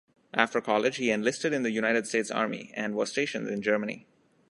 After college, he enlisted in the United States Army, and was stationed in Germany.